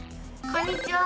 こんにちは！